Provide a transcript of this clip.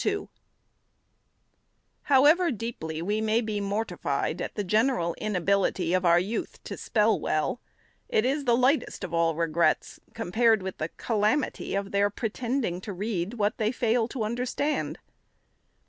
But, however deeply we may be mortified at the general inability of our youth to spell well, it is the lightest of all regrets, compared with the calamity of their pretending to read what they fail to understand.